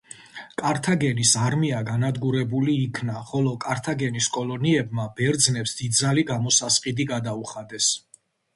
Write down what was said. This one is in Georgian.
კართაგენის არმია განადგურებული იქნა, ხოლო კართაგენის კოლონიებმა ბერძნებს დიდძალი გამოსასყიდი გადაუხადეს.